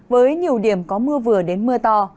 với nhiều điểm có mưa vừa đến mưa to